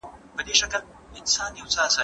پخوانيو مشرانو يوازي د خپل ګوند ګټې ساتلې.